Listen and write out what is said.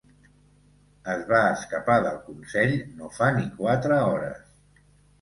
Es va escapar del Consell no fa ni quatre hores.